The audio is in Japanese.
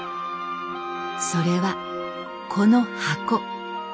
それはこの箱。